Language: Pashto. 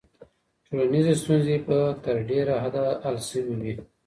ټولنيزې ستونزې به تر ډېره حده حل سوي وي.